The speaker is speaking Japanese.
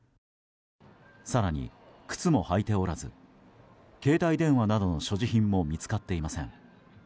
更に、靴も履いておらず携帯電話などの所持品も見つかっていません。